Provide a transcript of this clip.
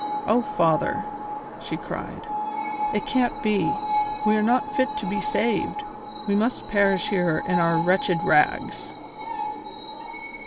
Oh, father!" she cried, "it can't be; we are not fit to be saved; we must perish here in our wretched rags."